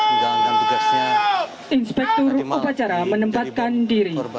menjalankan tugasnya inspektur upacara menempatkan diri